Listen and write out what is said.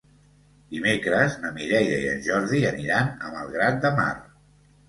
Dimecres na Mireia i en Jordi aniran a Malgrat de Mar.